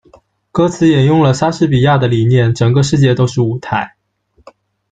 歌词沿用了莎士比亚的理念「整个世界都是舞台」。